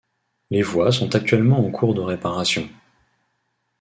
Les voies sont actuellement en cours de réparation.